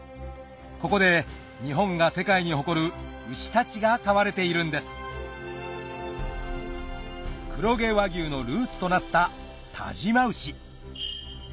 ここで日本が世界に誇る牛たちが飼われているんです黒毛和牛のルーツとなった但馬牛